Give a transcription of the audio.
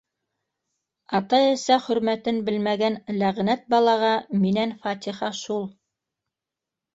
Ата-әсә хөрмәтен белмәгән ләғнәт балаға минән фатиха шул...